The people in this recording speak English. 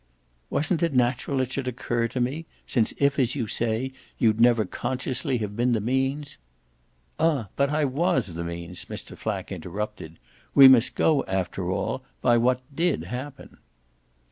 "Wasn't it natural it should occur to me, since if, as you say, you'd never consciously have been the means " "Ah but I WAS the means!" Mr. Flack interrupted. "We must go, after all, by what DID happen."